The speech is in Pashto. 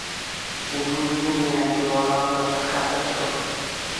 زموږ ځیني انډیوالان راڅخه پټ شول.